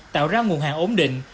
tạo ra nguồn hàng ổn định